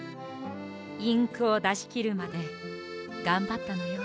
インクをだしきるまでがんばったのよ。